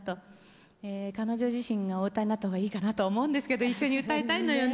え彼女自身がお歌いになった方がいいかなとは思うんですけど一緒に歌いたいのよね。